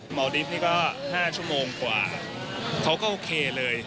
ดิฟต์นี่ก็๕ชั่วโมงกว่าเขาก็โอเคเลย